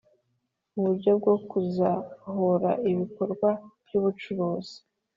uburyo bwo kuzahura ibikorwa by ubucuruzi